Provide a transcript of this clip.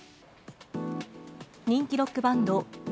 人気ロックバンド、Ｂ